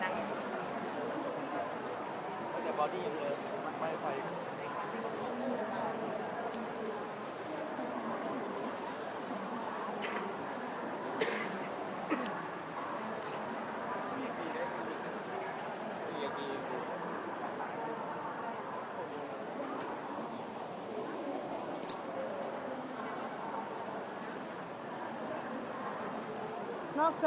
แล้วรถเรามีแล้ว